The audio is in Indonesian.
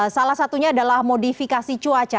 salah satunya adalah modifikasi cuaca